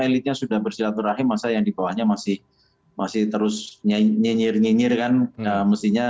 elitnya sudah bersilaturahim masa yang dibawahnya masih masih terus nyanyir nyanyir kan mesinnya